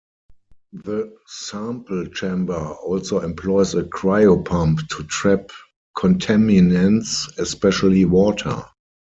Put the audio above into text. The sample chamber also employs a cryopump to trap contaminants, especially water.